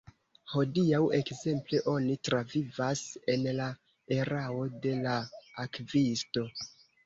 Hodiaŭ, ekzemple, oni travivas en la erao de la Akvisto.